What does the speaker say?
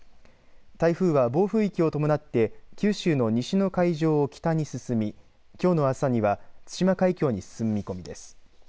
台風は暴風域を伴って九州の西の海上を北に進みきょうの朝には対馬海峡に進む見込みです。